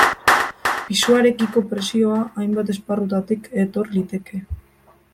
Pisuarekiko presioa hainbat esparrutatik etor liteke.